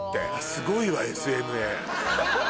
すごいわＳＭＡ。